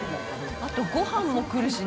あとごはんも来るしね。